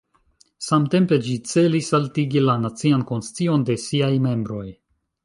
Samtempe ĝi celis altigi la nacian konscion de siaj membroj.